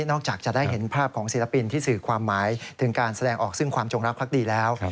จากจะได้เห็นภาพของศิลปินที่สื่อความหมายถึงการแสดงออกซึ่งความจงรักภักดีแล้ว